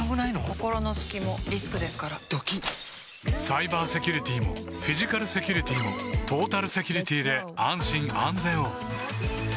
心の隙もリスクですからドキッサイバーセキュリティもフィジカルセキュリティもトータルセキュリティで安心・安全を